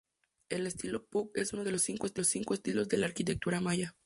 El estilo "Puuc" es uno de los cinco estilos de la arquitectura maya.